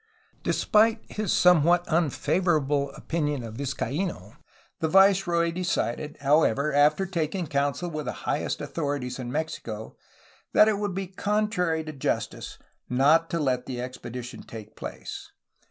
Despite his somewhat unfavorable opinion of Vizcaino, the viceroy decided, however, after taking counsel with the high est authorities in Mexico, that it would be contrary to 126 A HISTORY OF CALIFORNIA justice not to let the expedition take place.